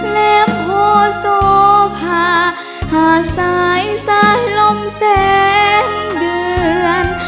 เล็บโหดโศพาหาสายสายลมเส้นเดือน